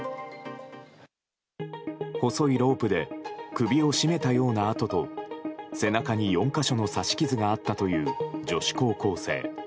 細いロープで首を絞めたような痕と背中に４か所の刺し傷があったという女子高校生。